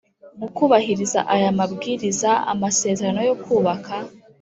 Mu kubahiriza aya mabwiriza amasezerano yo kubaka